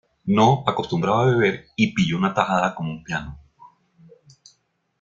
No acostumbraba a beber y pilló una tajada como un piano